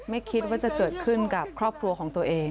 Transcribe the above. ไม่คิดว่าจะเกิดขึ้นกับครอบครัวของตัวเอง